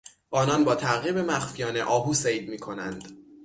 آنان با تعقیب مخفیانه آهو صید میکنند.